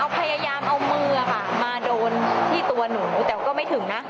พยายามเอามือค่ะมาโดนที่ตัวหนูแต่ก็ไม่ถึงนะ